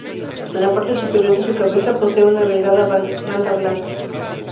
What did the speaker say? En la parte superior de su cabeza posee una delgada banda blanca.